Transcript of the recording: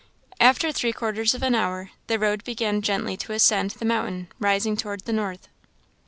After three quarters of an hour, the road began gently to ascend the mountain, rising towards the north.